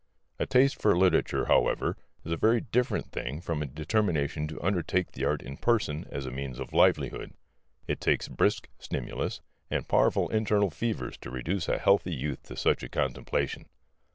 A taste for literature, however, is a very different thing from a determination to undertake the art in person as a means of livelihood. It takes brisk stimulus and powerful internal fevers to reduce a healthy youth to such a contemplation.